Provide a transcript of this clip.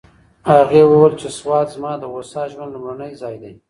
هغې وویل چې سوات زما د هوسا ژوند لومړنی ځای دی.